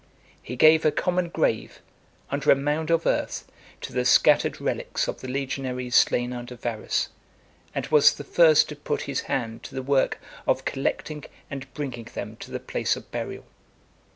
He gave a common grave, under a mound of earth, to the scattered relics of the legionaries slain under Varus, and was the first to put his hand to the work of collecting and bringing them to the place of burial.